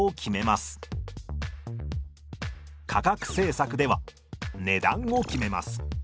価格政策では値段を決めます。